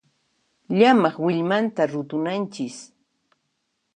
Llamaq willmanta rutunanchis.